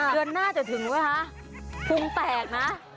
เดือนหน้าจะถึงไหมคะพุงแตกนะ